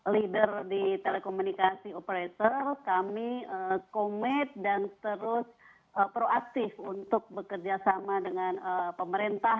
leader di telekomunikasi operator kami komit dan terus proaktif untuk bekerja sama dengan pemerintah